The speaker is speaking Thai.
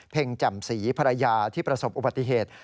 เพ็งจ่ำสีภรรยาที่ประสบอุบัติเหตุ